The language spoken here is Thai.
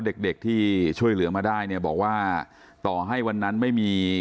เด็กเด็กที่ช่วยเหลือมาได้เนี่ยบอกว่าต่อให้วันนั้นไม่มี